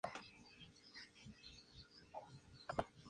Al día siguiente, se disputó una corta cronoescalada al Alto del Naranco.